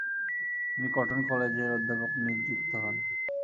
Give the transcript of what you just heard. তিনি কটন কলেজের অধ্যাপক নিযুক্ত হন।